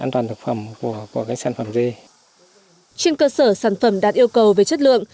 trên cơ sở sản phẩm đạt yêu cầu về chất lượng